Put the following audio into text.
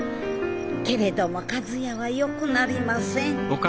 けれども和也はよくなりません